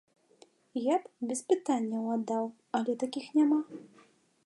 Я б без пытанняў аддаў, але такіх няма.